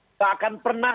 nggak akan pernah